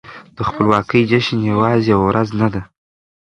د خپلواکۍ جشن يوازې يوه ورځ نه ده.